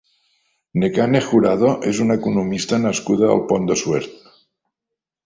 Nekane Jurado és una economista nascuda al Pont de Suert.